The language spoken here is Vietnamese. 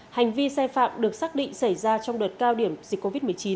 hành vi sai phạm được xác định xảy ra trong đợt cao điểm dịch covid một mươi chín